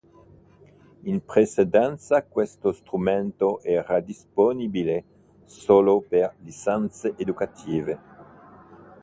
In precedenza questo strumento era disponibile solo per licenze educative.